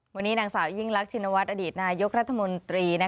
วันนี้นางสาวยิ่งรักชินวัฒนอดีตนายกรัฐมนตรี